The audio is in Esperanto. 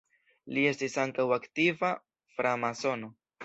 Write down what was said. Li estis ankaŭ aktiva framasono.